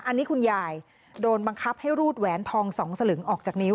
อันนี้คุณยายโดนบังคับให้รูดแหวนทอง๒สลึงออกจากนิ้ว